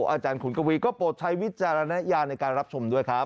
อาจารย์ขุนกวีก็โปรดใช้วิจารณญาณในการรับชมด้วยครับ